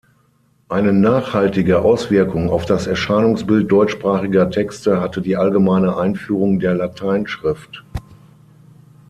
Eine nachhaltige Auswirkung auf das Erscheinungsbild deutschsprachiger Texte hatte die allgemeine Einführung der Lateinschrift.